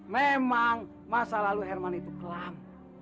memang masa lalu herman itu kelam